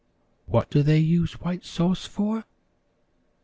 What do they use White Sauce for?"